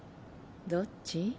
「どっち」？